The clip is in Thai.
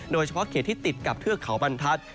โดยเฉพาะเขตที่ติดกับเทือกเขาบรรทัศน์